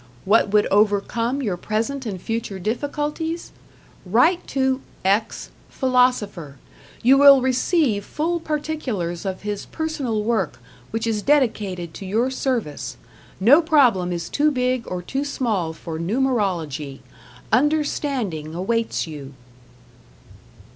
What would overcome your present and future difficulties? Write to x, Philosopher. You will receive full particulars of his personal work which is dedicated to your service. No problem is too big or too small for Numerology. Understanding awaits you.